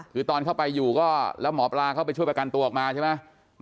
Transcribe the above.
คือตอนเข้าไปอยู่ก็แล้วหมอปลาเข้าไปช่วยประกันตัวออกมาใช่ไหม